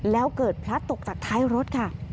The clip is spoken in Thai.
แล้วเกิดพลัดตกจากท้ายรถค่ะ